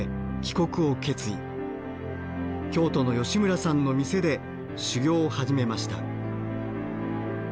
京都の吉村さんの店で修業を始めました。